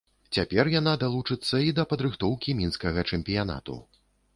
Цяпер яна далучыцца і да падрыхтоўкі мінскага чэмпіянату.